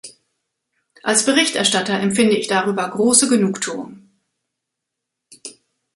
Als Berichterstatter empfinde ich darüber große Genugtuung.